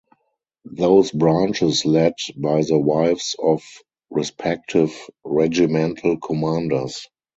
Those branches led by the wives of respective regimental commanders.